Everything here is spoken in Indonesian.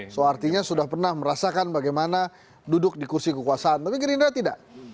so artinya sudah pernah merasakan bagaimana duduk di kursi kekuasaan tapi gerindra tidak